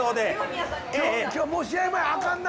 今日はもう試合前あかんな。